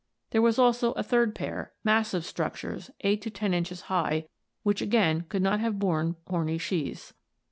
There was also a third pair, massive structures, 8 to 10 inches high, which again could not have borne horny sheaths.